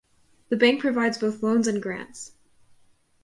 The Bank provides both loans and grants.